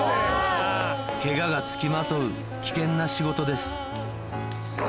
ケガが付きまとう危険な仕事です